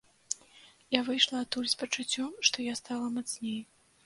Я выйшла адтуль з пачуццём, што я стала мацней.